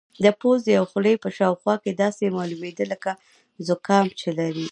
د پوزې او خولې په شاوخوا کې داسې معلومېده لکه زکام چې لري.